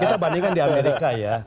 kita bandingkan di amerika ya